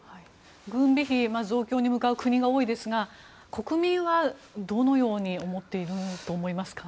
軍備費増強に向かう国が多いですが国民はどのように思っていると思いますか。